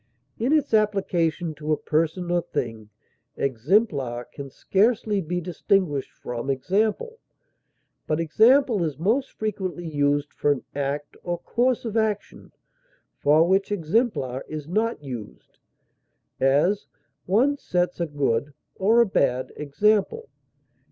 In its application to a person or thing, exemplar can scarcely be distinguished from example; but example is most frequently used for an act, or course of action, for which exemplar is not used; as, one sets a good (or a bad) example.